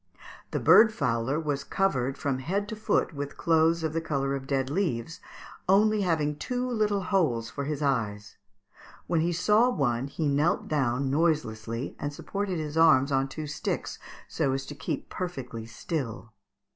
The bird fowler was covered from head to foot with clothes of the colour of dead leaves, only having two little holes for his eyes. When he saw one he knelt down noiselessly, and supported his arms on two sticks, so as to keep perfectly still.